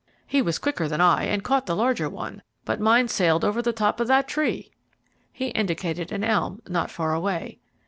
He was quicker than I, and caught the larger one, but mine sailed over the top of that tree." He indicated an elm not far away.